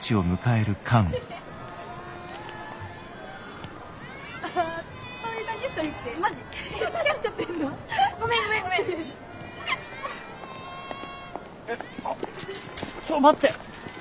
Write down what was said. えあっちょっと待って！